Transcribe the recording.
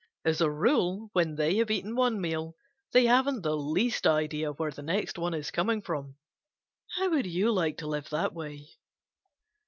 As a rule, when they have eaten one meal, they haven't the least idea where the next one is coming from. How would you like to live that way?